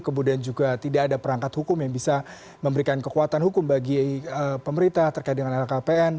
kemudian juga tidak ada perangkat hukum yang bisa memberikan kekuatan hukum bagi pemerintah terkait dengan lhkpn